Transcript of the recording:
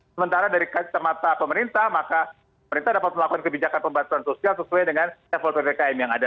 sementara dari kacamata pemerintah maka pemerintah dapat melakukan kebijakan pembatasan sosial sesuai dengan level ppkm yang ada